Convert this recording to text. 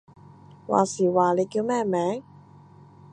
話時話，你叫咩名？